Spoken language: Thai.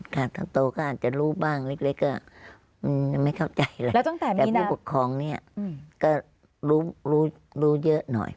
ค่ะถ้าโตก็อาจจะรู้บ้างเล็กก็ไม่เข้าใจแล้วแล้วตั้งแต่มีนาแต่ผู้ปกครองเนี่ยก็รู้เยอะหน่อย